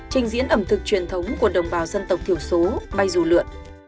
trình diễn ẩm thực truyền thống của đồng bào dân tộc thiểu số bay dù lượn